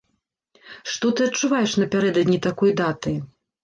Што ты адчуваеш напярэдадні такой даты?